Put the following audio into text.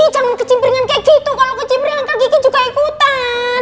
jangan kecimbringan kayak gitu kalau kecimbringan kak gigi juga ikutan